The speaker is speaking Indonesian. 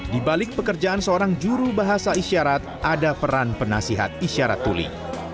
di balik pekerjaan seorang juru bahasa isyarat ada peran penasihat isyarat tuli